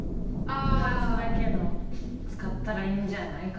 ＋だけの使ったらいいんじゃないかな？